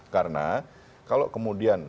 karena kalau kemudian